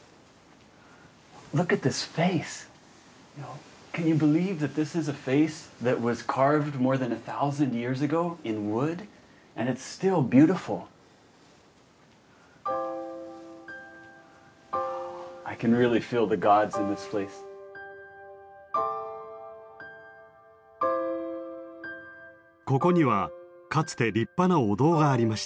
ここにはかつて立派なお堂がありました。